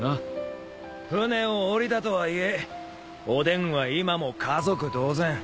船を降りたとはいえおでんは今も家族同然。